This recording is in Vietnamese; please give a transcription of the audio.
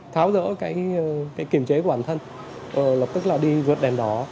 tháo rỡ cái kiềm chế của bản thân lập tức là đi vượt đèn đỏ